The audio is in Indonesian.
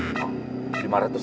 iya bawa ten pak gak usah